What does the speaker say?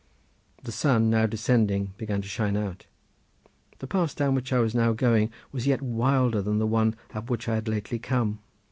The sun, now descending, began to shine out. The pass down which I was now going was yet wilder than the one up which I had lately come.